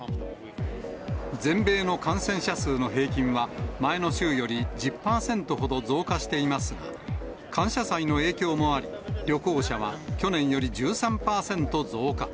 全米の感染者数の平均は前の週より１０％ほど増加していますが、感謝祭の影響もあり、旅行者は去年より１３％増加。